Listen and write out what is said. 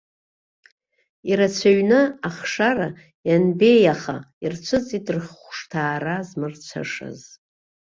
Ирацәаҩны ахшара, ианбеиаха, ирцәыӡит рхәышҭаара змырцәашаз.